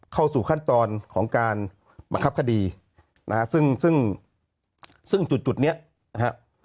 เข้าสู่ขั้นตอนของการบังคับคดีนะฮะซึ่งซึ่งจุดจุดเนี้ยนะฮะ